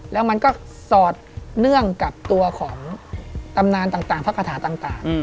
แล้วมันก็สอดเนื่องกับตัวของตำนานต่างพระคาถาต่าง